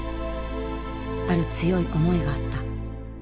ある強い思いがあった。